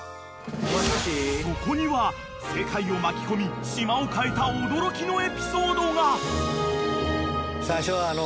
［そこには世界を巻き込み島を変えた驚きのエピソードが！］